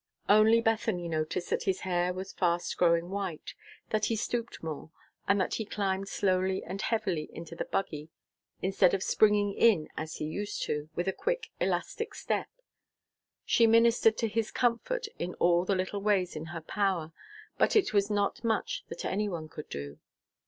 Only Bethany noticed that his hair was fast growing white, that he stooped more, and that he climbed slowly and heavily into the buggy, instead of springing in as he used to, with a quick, elastic step. She ministered to his comfort in all the little ways in her power, but it was not much that any one could do.